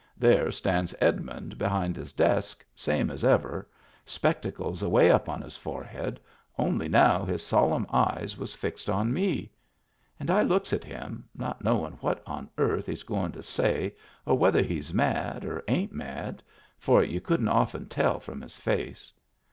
There stands Edmund behind his desk, same as ever, spec tacles away up on his forehead, only now his solemn eyes was fixed on me. And I looks at him, not knowin' what on earth he's goin' to say or whether he's mad or ain't mad — for y'u couldn't often tell from his face.